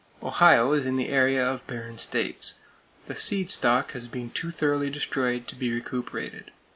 Ohio is in the area of barren states. The seed stock has been too thoroughly destroyed to be recuperated.